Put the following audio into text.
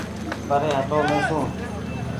پري هٽو ميسون